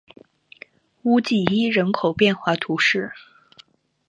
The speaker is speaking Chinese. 乌济伊人口变化图示